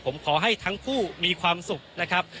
ผมขอให้ทั้งคู่มีความสุขนะครับ